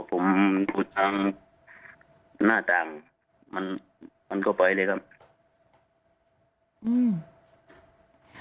ผมดูหน้าต่างมันก็ไปเลยครับ